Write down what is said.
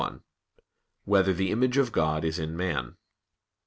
1] Whether the Image of God Is in Man?